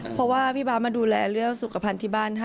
เพราะว่าพี่บ๊ามาดูแลเรื่องสุขภัณฑ์ที่บ้านให้